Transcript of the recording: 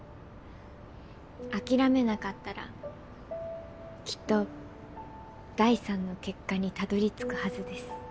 諦めなかったらきっと第３の結果に辿り着くはずです。